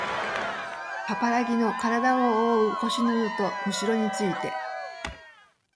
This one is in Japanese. パパラギのからだをおおう腰布とむしろについて